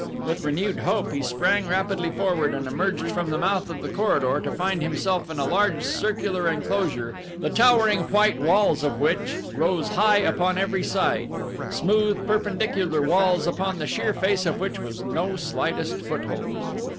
With renewed hope he sprang rapidly forward and emerged from the mouth of the corridor to find himself in a large circular enclosure the towering white walls of which rose high upon every side smooth perpendicular walls upon the sheer face of which was no slightest foothold.